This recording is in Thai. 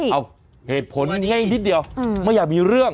เอาเหตุผลให้นิดเดียวไม่อยากมีเรื่อง